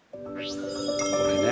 これね。